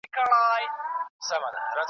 ملنګه ! دا د کومې درواﺯې خواه دې نيولې .